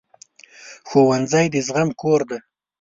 ښوونځی د زغم کور دی